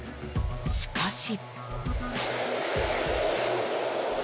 しかし。